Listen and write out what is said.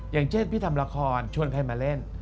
อย่างเช่นพี่ทำละครชวนใครมาเล่น